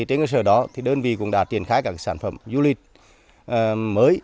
trên cơ sở đó đơn vị cũng đã triển khai các sản phẩm du lịch mới